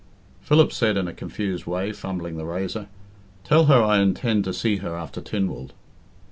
Philip said in a confused way, fumbling the razor. "Tell her I intend to see her after Tynwald."